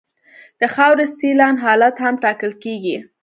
د خاورې سیلان حالت هم ټاکل کیږي